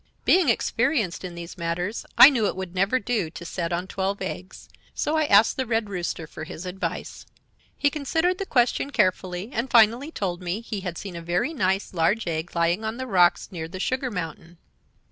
Being experienced in these matters I knew it would never do to set on twelve eggs, so I asked the Red Rooster for his advice. "He considered the question carefully, and finally told me he had seen a very nice, large egg lying on the rocks near the sugar mountain.